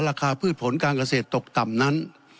พืชผลการเกษตรตกต่ำนั้น